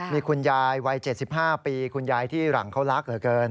มีคุณยายวัย๗๕ปีคุณยายที่หลังเขารักเหลือเกิน